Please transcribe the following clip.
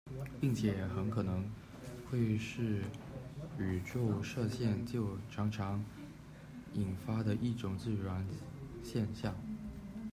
并且也很可能会是宇宙射线就常常引发的一种自然现象。